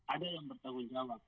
ada yang bertanggung jawab